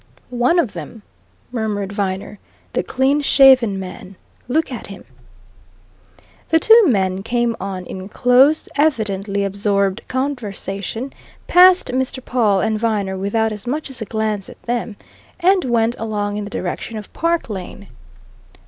"One of them," murmured Viner. "The clean shaven man. Look at him!" The two men came on in close, evidently absorbed conversation, passed Mr. Pawle and Viner without as much as a glance at them, and went along in the direction of Park Lane.